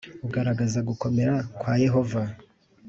ugaragaza gukomera kwa yehova.